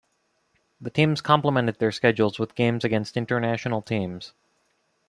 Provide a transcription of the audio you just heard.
The teams complemented their schedules with games against international teams.